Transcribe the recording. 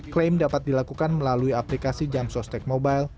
klaim dapat dilakukan melalui aplikasi jamsostek mobile